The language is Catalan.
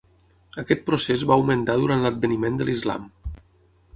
Aquest procés va augmentar durant l'adveniment de l'islam.